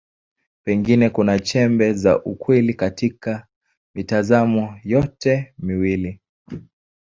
Pengine kuna chembe za ukweli katika mitazamo yote miwili.